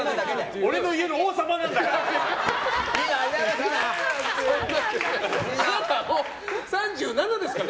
俺が家の王様なんだから！